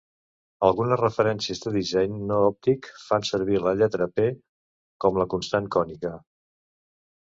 Algunes referències de disseny no òptic fan servir la lletra "p" com la constant cònica.